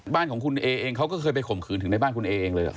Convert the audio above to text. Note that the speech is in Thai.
บ้านของคุณเอเองเขาก็เคยไปข่มขืนถึงในบ้านคุณเอเองเลยเหรอ